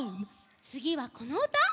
つぎはこのうた！